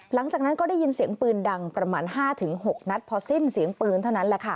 หลังจากนั้นก็ได้ยินเสียงปืนดังประมาณ๕๖นัดพอสิ้นเสียงปืนเท่านั้นแหละค่ะ